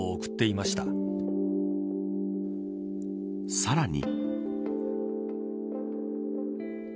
さらに。